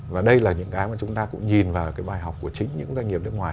và đây là những cái mà chúng ta cũng nhìn vào cái bài học của chính những doanh nghiệp nước ngoài